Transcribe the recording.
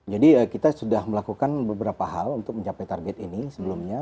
jadi kita sudah melakukan beberapa hal untuk mencapai target ini sebelumnya